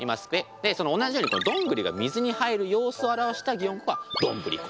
で同じようにドングリが水に入る様子を表した擬音語が「どんぶりこ」。